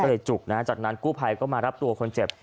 ก็เลยจุกนะฮะจากนั้นกู้ภัยก็มารับตัวคนเจ็บ